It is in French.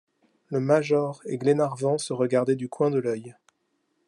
Le major et Glenarvan se regardaient du coin de l’œil.